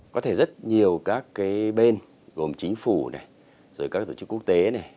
có thể rất nhiều các cái bên gồm chính phủ này rồi các tổ chức quốc tế này